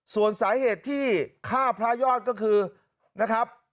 ส่วนสาเหตุที่ฆ่าพระยอดก็คือนะครับ